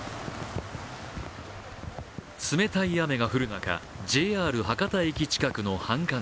冷たい雨が降る中、ＪＲ博多駅近くの繁華街。